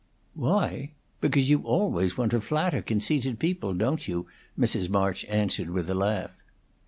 "Why, because you always want to flatter conceited people, don't you?" Mrs. March answered, with a laugh.